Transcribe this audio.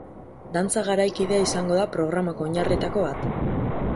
Dantza garaikidea izango da programako oinarrietako bat.